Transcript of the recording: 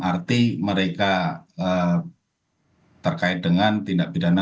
arti mereka terkait dengan tindak pidana